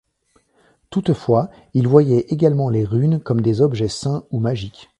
Toutefois, il voyait également les runes comme des objets saints ou magiques.